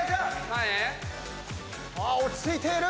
落ち着いている。